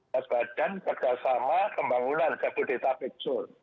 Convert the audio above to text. pas badan pernah sama pembangunan jabodetabek